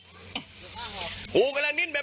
ไม่รู้ว่ามันเป็นอะไร